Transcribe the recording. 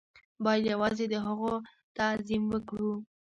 بايد يوازې د هغو تعظيم وکړو.